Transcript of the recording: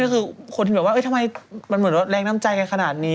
ไม่คือคนที่แบบว่าทำไมแรงน้ำใจกันขนาดนี้